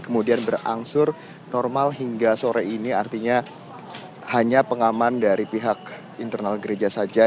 kemudian berangsur normal hingga sore ini artinya hanya pengaman dari pihak internal gereja saja